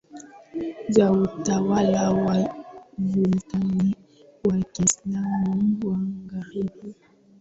za utawala wa sultani wa Kiislamu Magharibi